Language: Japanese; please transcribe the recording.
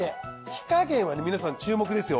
火加減は皆さん注目ですよ。